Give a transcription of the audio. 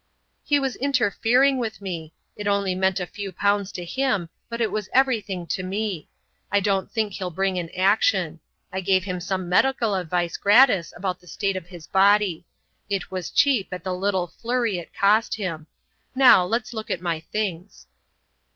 "He was interfering with me. It only meant a few pounds to him, but it was everything to me. I don't think he'll bring an action. I gave him some medical advice gratis about the state of his body. It was cheap at the little flurry it cost him. Now, let's look at my things."